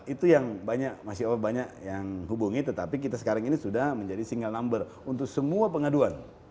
itu yang banyak masih banyak yang hubungi tetapi kita sekarang ini sudah menjadi single number untuk semua pengaduan